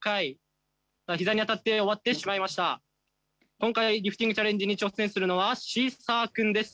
今回リフティングチャレンジに挑戦するのはシーサー君です。